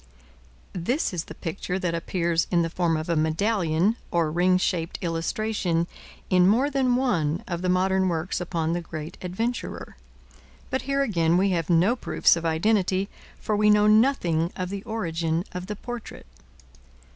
This is the picture that appears in the form of a medallion, or ring shaped illustration, in more than one of the modern works upon the great adventurer. But here again we have no proofs of identity, for we know nothing of the origin of the portrait.